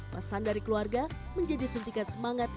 pesan dari keluarga menjadi suntikan semangat